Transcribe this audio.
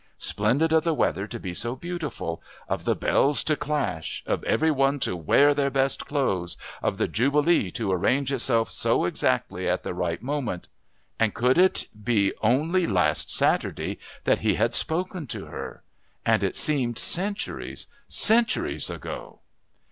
Splendid of the weather to be so beautiful, of the bells to clash, of every one to wear their best clothes, of the Jubilee to arrange itself so exactly at the right moment! And could it be only last Saturday that he had spoken to her? And it seemed centuries, centuries ago!